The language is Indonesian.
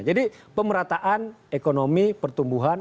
jadi pemerataan ekonomi pertumbuhan